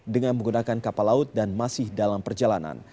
dengan menggunakan kapal laut dan masih dalam perjalanan